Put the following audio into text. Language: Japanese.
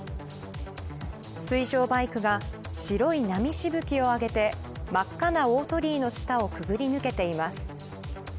水上バイクが白い波しぶきを上げて真っ赤な大鳥居の下をくぐり抜けています。